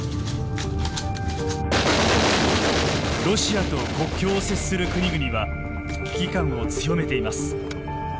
ロシアと国境を接する国々は危機感を強めています。